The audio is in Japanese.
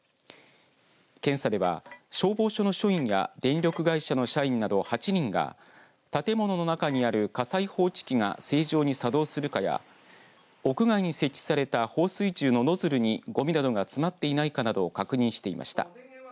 検査では消防署の署員や電力会社の社員など８人が建物の中にある火災報知機が正常に作動するかや屋外に設置された放水銃のノズルにごみなどが詰まっていないかなどを確認していました。